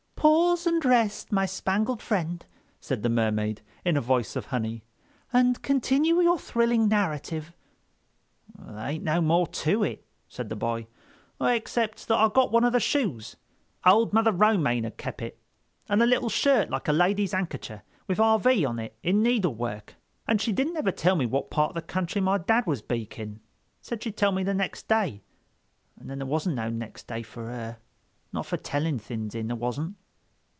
"Pause and rest, my spangled friend," said the Mermaid in a voice of honey, "and continue your thrilling narrative." "There ain't no more to it," said the boy, "except that I got one of the shoes. Old Mother Romaine 'ad kep' it, and a little shirt like a lady's handkercher, with R. V. on it in needlework. She didn't ever tell me what part of the country my dad was Beak in. Said she'd tell me next day. An' then there wasn't no next day for her—not fer telling things in, there wasn't."